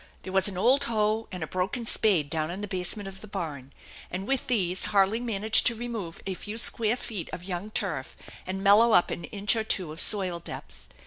There was an old hoe and a broken spade down in the basement of the barn, and with these Harley managed to remove a few square feet of young turf, and mellow up an inch or two of soil depth.